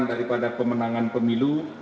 daripada pemenangan pemilu